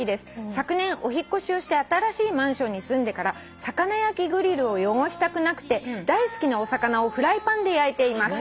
「昨年お引っ越しをして新しいマンションに住んでから魚焼きグリルを汚したくなくて大好きなお魚をフライパンで焼いています」